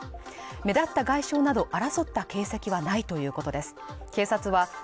目立った外傷など争った形跡はないということです。